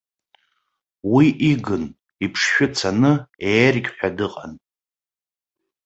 Уи игын, иԥшшәы цаны, еергьҳәа дыҟан.